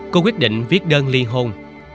cô quyết định viết đơn li hôn